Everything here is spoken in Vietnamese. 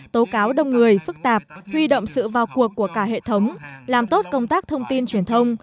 tố cáo đông người phức tạp huy động sự vào cuộc của cả hệ thống làm tốt công tác thông tin truyền thông